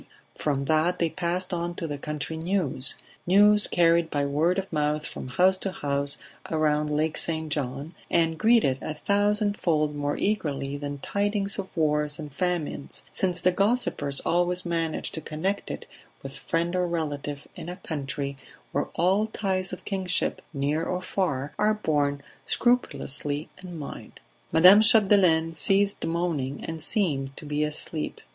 From that they passed on to the country news news carried by word of mouth from house to house around Lake St. John, and greeted a thousandfold more eagerly than tidings of wars and famines, since the gossipers always manage to connect it with friend or relative in a country where all ties of kinship, near or far, are borne scrupulously in mind. Madame Chapdelaine ceased moaning and seemed to be asleep.